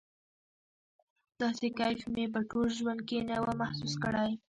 داسې کيف مې په ټول ژوند کښې نه و محسوس کړى.